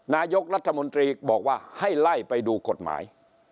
นายกรัฐมนตรีบอกว่าให้ไล่ไปดูกฎหมาย